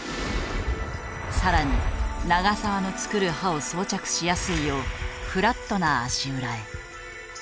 更に長澤の作る刃を装着しやすいようフラットな足裏へ。